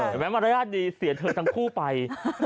เห็นไหมมารยาทดีเสียเธอทั้งคู่ไป